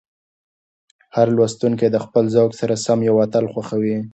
هر لوستونکی د خپل ذوق سره سم یو اتل خوښوي.